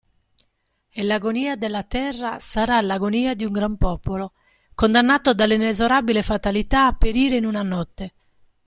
E l'agonia della terra sarà l'agonia di un gran popolo, condannato dalla inesorabile fatalità a perire in una notte!